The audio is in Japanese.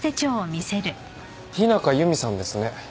日中弓さんですね。